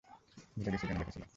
ভুলে গেছি, কেন ডেকেছিলাম।